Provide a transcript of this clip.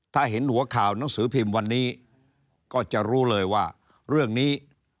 ถ้าเห็นหัวข่าวหนังสือพิมพ์วันนี้ก็จะรู้เลยว่าเรื่องนี้